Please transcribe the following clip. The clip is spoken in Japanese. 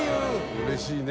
うれしいね。